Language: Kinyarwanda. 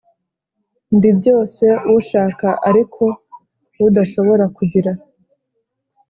ndi byose ushaka ariko udashobora kugira.